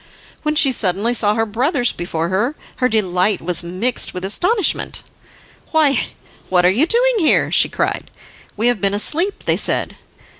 When she suddenly saw her brothers before her her delight was mixed with astonishment. "Why, what are you doing here?" she cried. "We have been asleep," they said.